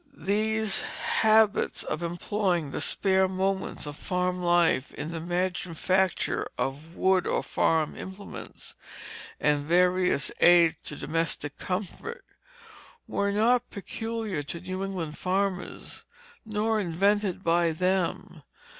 These habits of employing the spare moments of farm life in the manufacture from wood of farm implements and various aids to domestic comfort, were not peculiar to New England farmers, nor invented by them.